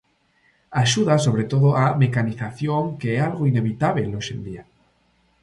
Axuda sobre todo á mecanización que é algo inevitábel hoxe en día.